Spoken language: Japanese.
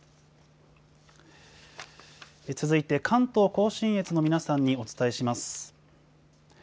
続いて関東甲信越の皆さんにお伝えします。